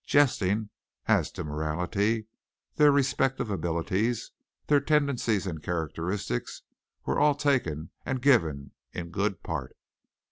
Jesting as to morality, their respective abilities, their tendencies and characteristics were all taken and given in good part.